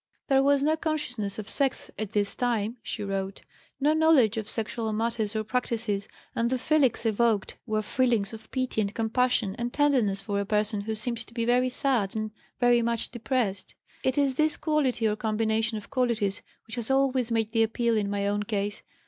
"There was no consciousness of sex at this time," she wrote; "no knowledge of sexual matters or practices, and the feelings evoked were feelings of pity and compassion and tenderness for a person who seemed to be very sad and very much depressed. It is this quality or combination of qualities which has always made the appeal in my own case.